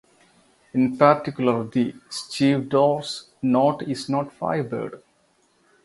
In particular the Stevedore's knot is not fibered.